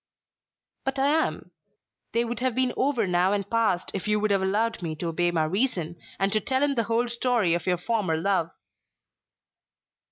"But I am. They would have been over now and passed if you would have allowed me to obey my reason, and to tell him the whole story of your former love."